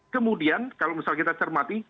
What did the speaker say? kemudian kalau misal kita cermati